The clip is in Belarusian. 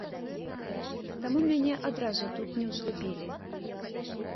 Таму мяне адразу тут неўзлюбілі.